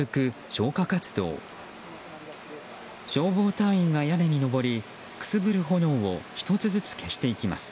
消防隊員が屋根に上りくすぶる炎を１つずつ消していきます。